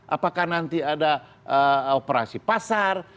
apakah nanti ada operasi pasar